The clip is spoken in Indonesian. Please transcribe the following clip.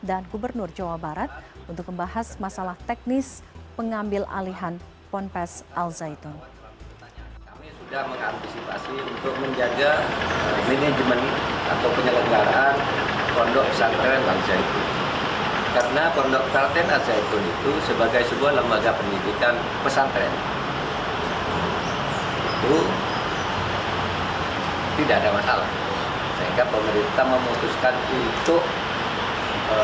dan gubernur jawa barat untuk membahas masalah teknis pengambil alihan pondok pesantren al zaitun